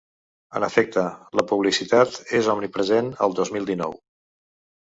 En efecte, la publicitat és omnipresent el dos mil dinou.